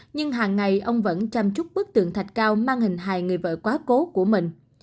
nhưng hàng ngày ông vẫn chăm chúc bức tượng thạch cao mang hình hài người vợ quá cố của mình